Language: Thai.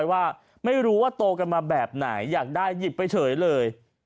ว่าโตกันมาแบบไหนอยากได้หยิบไปเฉยเลย